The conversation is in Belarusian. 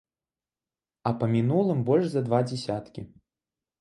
А па мінулым больш за два дзясяткі.